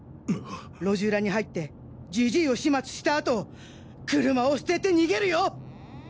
路地裏に入ってジジイを始末したあと車を捨てて逃げるよ！